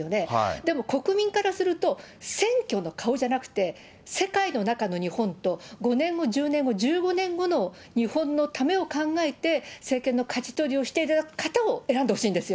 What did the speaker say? でも国民からすると、選挙の顔じゃなくて、世界の中の日本と、５年後、１０年後、１５年後の日本のためを考えて、政権のかじ取りをしていただく方を選んでほしいんですよ。